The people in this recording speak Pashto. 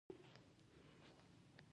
د وژل شوو کسانو جېبونه پلټي.